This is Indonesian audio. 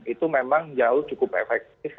itu memang jauh cukup efektif